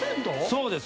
そうです